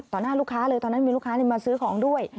หน้าลูกค้าเลยตอนนั้นมีลูกค้ามาซื้อของด้วย